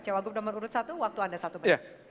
cawagup nomor urut satu waktu anda satu menit